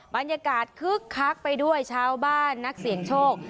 บรรยากาศคึกคักไปด้วยชาวบ้านนักเสี่ยงโชค